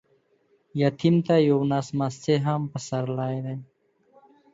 يتيم ته يو نس مستې هم پسرلى دى.